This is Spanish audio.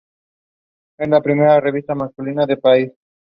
Es la primera revista masculina del país.